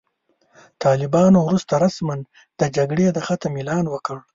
طالبانو وروسته رسماً د جګړې د ختم اعلان وکړ.